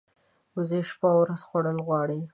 وزې شپه او ورځ خوړل غواړي